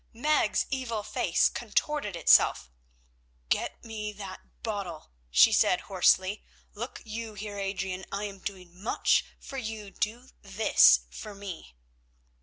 Meg's evil face contorted itself. "Get me that bottle," she said hoarsely. "Look you, Heer Adrian, I am doing much for you, do this for me."